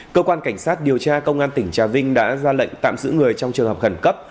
cơ quan cảnh sát điều tra công an tỉnh trà vinh đã ra lệnh tạm giữ người trong trường hợp khẩn cấp